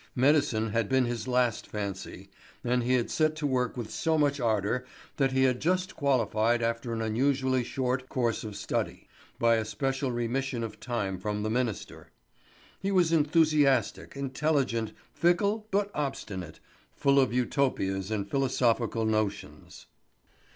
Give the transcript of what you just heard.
Medicine had been his last fancy, and he had set to work with so much ardour that he had just qualified after an unusually short course of study, by a special remission of time from the minister. He was enthusiastic, intelligent, fickle, but obstinate, full of Utopias and philosophical notions.